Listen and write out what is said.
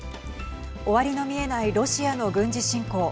終わりの見えないロシアの軍事侵攻。